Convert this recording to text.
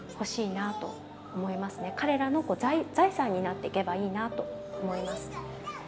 彼らの財産になっていけばいいなと思います。